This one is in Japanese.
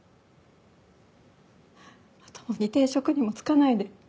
まともに定職にも就かないで。